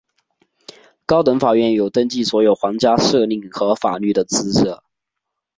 高等法院有登记所有皇家敕令和法律的职责。